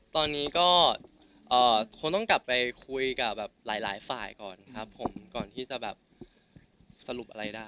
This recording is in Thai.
ตอนนี้ก็คงต้องกลับไปคุยกับหลายฝ่ายก่อนครับผมก่อนที่จะแบบสรุปอะไรได้